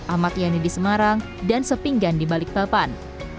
ahmad yani di semarang dan sepinggan di balikpapan